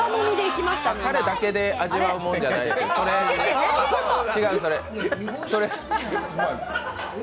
たれだけで味わうものじゃないですよ。